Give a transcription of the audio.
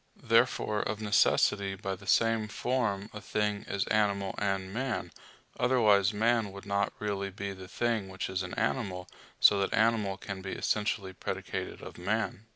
Therefore of necessity by the same form a thing is animal and man; otherwise man would not really be the thing which is an animal, so that animal can be essentially predicated of man.